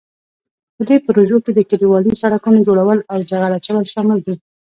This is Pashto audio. په دې پروژو کې د کلیوالي سړکونو جوړول او جغل اچول شامل دي.